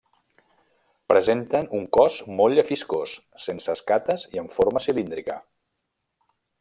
Presenten un cos molt llefiscós, sense escates i amb forma cilíndrica.